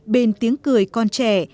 bên tiếng cười con trẻ